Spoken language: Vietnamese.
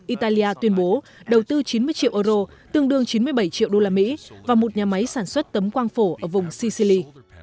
italia tuyên bố đầu tư chín mươi triệu euro tương đương chín mươi bảy triệu đô la mỹ vào một nhà máy sản xuất tấm quang phổ ở vùng sicili